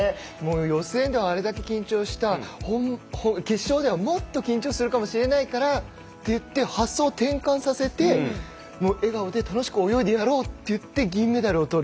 予選ではあれだけ緊張した決勝ではもっと緊張するかもしれないからといって発想を転換させて笑顔で楽しく泳いでやろうと言って、銀メダルを取る。